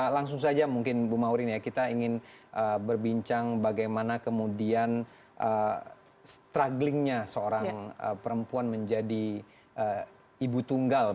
langsung saja mungkin bu maurin ya kita ingin berbincang bagaimana kemudian strugglingnya seorang perempuan menjadi ibu tunggal